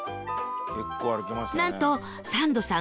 なんとサンドさん